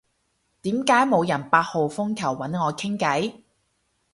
點解冇人八號風球搵我傾偈？